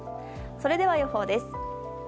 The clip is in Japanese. それでは予報です。